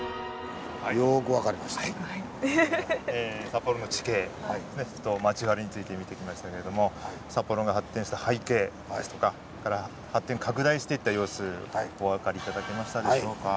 札幌の地形と町割りについて見てきましたけれども札幌が発展した背景ですとか発展拡大していった様子お分かり頂けましたでしょうか？